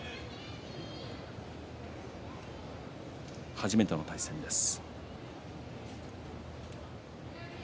初めての対戦です。